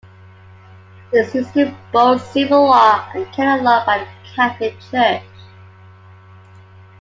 It is used in both civil law and canon law by the Catholic Church.